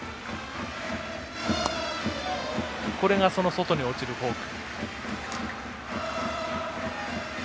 これが、外に落ちるフォーク。